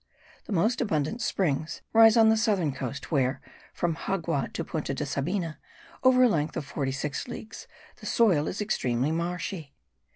The most abundant springs rise on the southern coast where, from Xagua to Punta de Sabina, over a length of forty six leagues, the soil is extremely marshy.